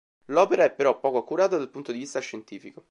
L'opera è però poco accurata dal punto di vista scientifico.